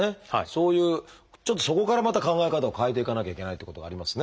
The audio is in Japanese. そういうちょっとそこからまた考え方を変えていかなきゃいけないっていうことがありますね。